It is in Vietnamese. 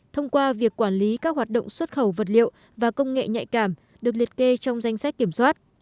thông qua việc quản lý các hoạt động xuất khẩu vật liệu và công nghệ nhạy cảm được liệt kê trong danh sách kiểm soát